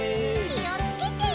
きをつけて。